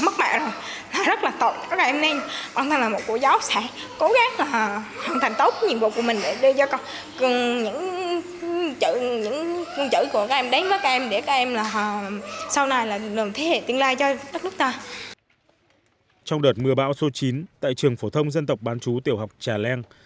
trong đợt mưa bão số chín tại trường phổ thông dân tộc bán chú trà leng